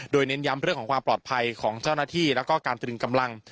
โดยเน้นย้ำเรื่องของความปลอดภัยของเจ้าหน้าที่แล้วก็การตรึงกำลัง